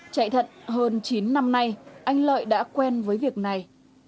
chạy thận hơn chín năm nay anh lợi đã quen với việc này